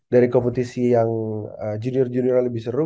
dari kompetisi yang junior junioran lebih seru